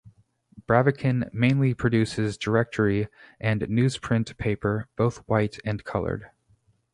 Braviken mainly produces directory and newsprint paper, both white and colored.